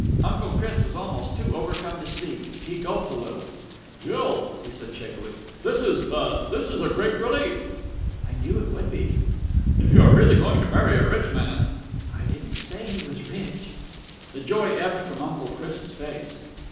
Uncle Chris was almost too overcome to speak. He gulped a little. "Jill," he said shakily, "this is a ... this is a great relief." "I knew it would be." "If you are really going to marry a rich man...." "I didn't say he was rich." The joy ebbed from Uncle Chris' face.